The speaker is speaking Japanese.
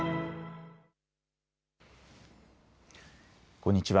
こんにちは。